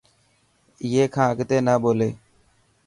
اي کان اگتي نه ٻولي.